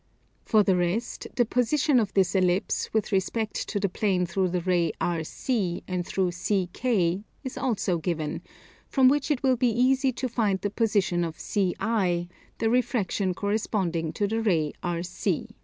For the rest, the position of this ellipse, with respect to the plane through the ray RC and through CK, is also given; from which it will be easy to find the position of CI, the refraction corresponding to the ray RC.